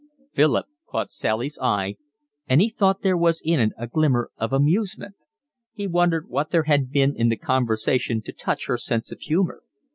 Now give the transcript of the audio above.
Philip caught Sally's eye, and he thought there was in it a glimmer of amusement. He wondered what there had been in the conversation to touch her sense of humour.